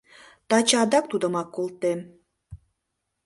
— Таче адак тудымак колтем.